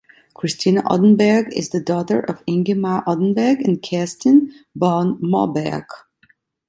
Christina Odenberg is the daughter of Ingemar Odenberg and Kerstin, born Moberg.